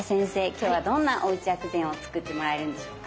今日はどんなおうち薬膳を作ってもらえるんでしょうか？